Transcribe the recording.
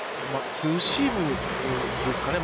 ツーシームですかね。